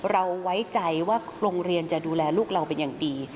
เราไว้ใจว่าโรงเรียนจะดูแลลูกเราเป็นอย่างดี